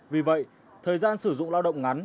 vì vậy thời gian sử dụng lao động ngắn